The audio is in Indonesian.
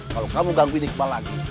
kalau kamu gangguin iqbal lagi